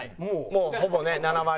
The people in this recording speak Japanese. もうほぼね７割。